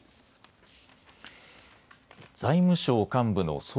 財務省幹部の総括